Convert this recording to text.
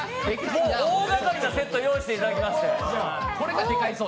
大がかりなセットを用意していただきまして。